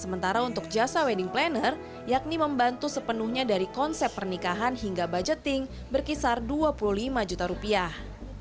sementara untuk jasa wedding planner yakni membantu sepenuhnya dari konsep pernikahan hingga budgeting berkisar dua puluh lima juta rupiah